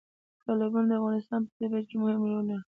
تالابونه د افغانستان په طبیعت کې مهم رول لري.